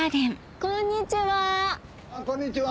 こんにちは！